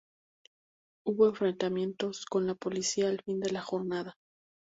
Hubo enfrentamientos con la policía al fin de la jornada.